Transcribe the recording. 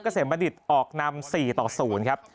เสมบัณฑิตออกนำ๔ต่อ๐ครับ